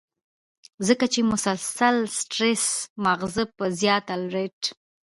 ځکه چې مسلسل سټرېس مازغۀ پۀ زيات الرټ